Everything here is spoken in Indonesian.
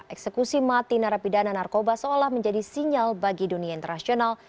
eksekusi mati narapidana narkoba seolah menjadi sinyal bagi dunia internasional